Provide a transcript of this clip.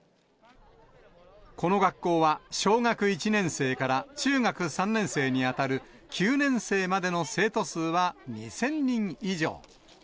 この学校は小学１年生から中学３年生に当たる９年生までの生徒数は２０００人以上。